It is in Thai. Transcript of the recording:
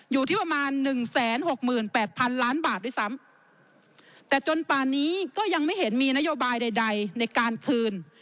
อยู่ที่ประมาณ๑๖๘๐๐๐ล้านบาทด้วยสั้นและยังไม่เห็นมีนโยบายใดในการคืน